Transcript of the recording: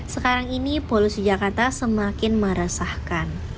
sekarang ini polusi jakarta semakin meresahkan